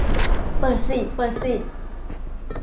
เปิดสิเปิดสิ